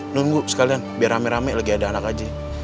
nunggu sekalian biar rame rame lagi ada anak aja